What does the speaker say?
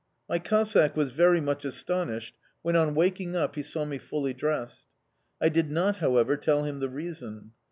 My Cossack was very much astonished when, on waking up, he saw me fully dressed. I did not, however, tell him the reason.